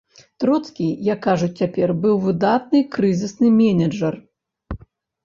Троцкі, як кажуць цяпер, быў выдатны крызісны менеджар.